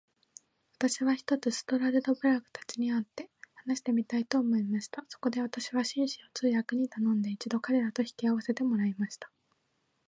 私は、ひとつストラルドブラグたちに会って話してみたいと思いました。そこで私は、紳士を通訳に頼んで、一度彼等と引き合せてもらいました。